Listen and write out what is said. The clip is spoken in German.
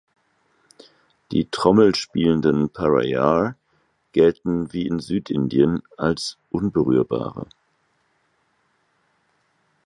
Die Trommel spielenden Paraiyar gelten wie in Südindien als „Unberührbare“.